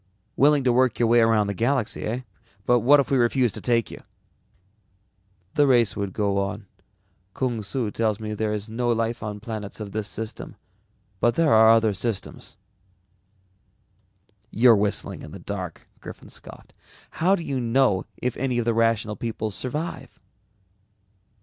"Willing to work your way around the galaxy, eh? But what if we refused to take you?" "The race would go on. Kung Su tells me there is no life on planets of this system, but there are other systems." "You're whistling in the dark," Griffin scoffed. "How do you know if any of the Rational People survive?"